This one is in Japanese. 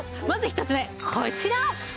まず１つ目こちら。